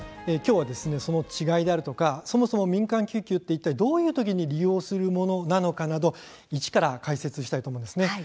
きょうはその違いであるとか、そもそも民間救急ってどういうときに利用するものなのかなど、一から解説したいと思います。